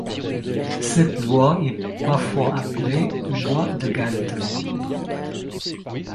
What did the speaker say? Cette loi est parfois appelée loi de Galton.